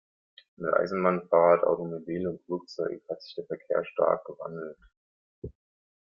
Mit Eisenbahn, Fahrrad, Automobil und Flugzeug hat sich der Verkehr stark gewandelt.